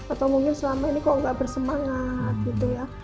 atau mungkin selama ini kok nggak bersemangat gitu ya